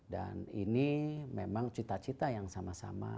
dan ini memang cita cita yang sama sama